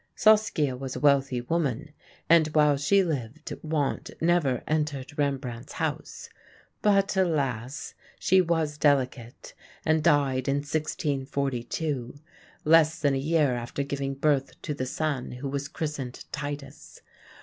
Saskia was a wealthy woman, and while she lived want never entered Rembrandt's house. But, alas! she was delicate, and died in 1642, less than a year after giving birth to the son who was christened Titus.